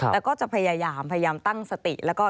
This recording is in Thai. แต่ก็จะพยายามพยายามตั้งสติ